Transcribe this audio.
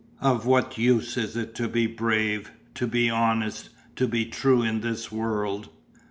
Of what use is it to be brave, to be honest, to be true in this world?"